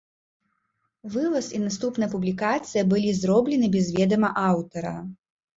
Вываз і наступная публікацыя былі зроблены без ведама аўтара.